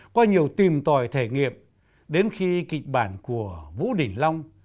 qua nhiều tìm tòi thể nghiệm đến khi kịch bản của vũ đình long